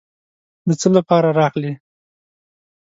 د څه لپاره راغلې.